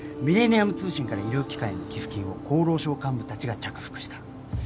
ミレニアム通信から医療機関への寄付金を厚労省幹部たちが着服した。